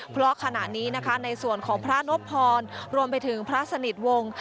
เพราะขณะนี้นะคะในส่วนของพระนพพรรวมไปถึงพระสนิทวงศ์